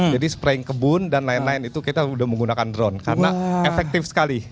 jadi spraying kebun dan lain lain itu kita udah menggunakan drone karena efektif sekali